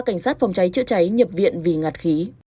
ba cánh sát phòng cháy chữa cháy nhập viện vì ngạt khí